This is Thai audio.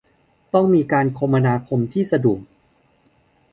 ต้องมีการคมนาคมที่สะดวก